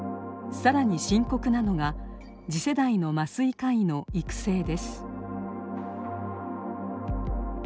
更に深刻なのが次世代の麻酔科医の育成です。